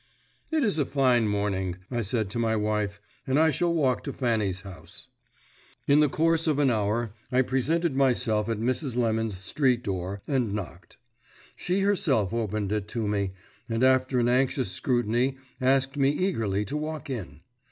"It is a fine morning," I said to my wife, "and I shall walk to Fanny's house." In the course of an hour I presented myself at Mrs. Lemon's street door, and knocked. She herself opened it to me, and after an anxious scrutiny asked me eagerly to walk in.